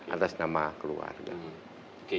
atas nama keluarga